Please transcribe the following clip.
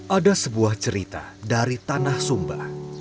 ada sebuah cerita dari tanah sumba